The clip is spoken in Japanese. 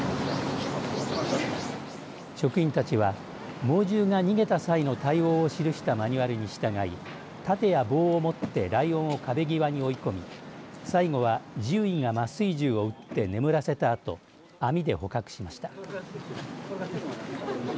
職員たちは猛獣が逃げた際の対応を記したマニュアルに従い盾や棒を持ってライオンを壁際に追い込み最後は、獣医が麻酔銃を打って眠らせたあと網で捕獲しました。